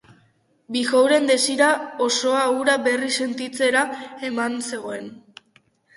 Bijouren desira osoa hura berriz sentitzera emana zegoen.